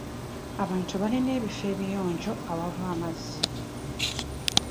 Abantu balina ebifo ebiyonjo awava amazzi.